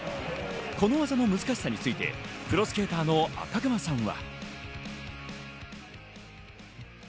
この技の難しさについてプロスケーターの赤熊さんは。